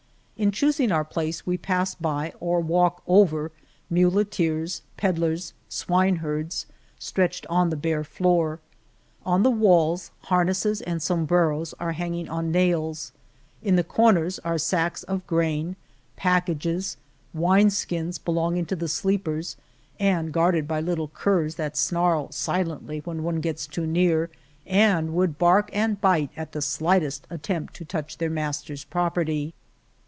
In choosing our place we pass by or walk over muleteers, pedlers, swine herds, stretched on the bare floor. On the walls harnesses and sombreros are hanging on nails, in the comers are sacks of grain, packages, wine skins belonging to the sleepers, and guarded by little curs that snarl silently when one gets too near, and would bark and bite at the slightest attempt to touch their masters' property.